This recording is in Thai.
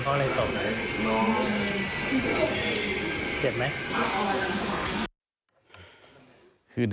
พ่อทำบ่อยไหมครับ